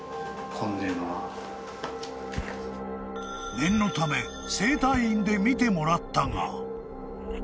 ［念のため整体院で診てもらったが］